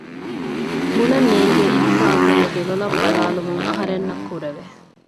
ބުނަން ނޭނގޭ އިހުސާސެއް އެ ދެލޮލަށް ބަލާލުމުން އަހަރެންނަށް ކުރެވެ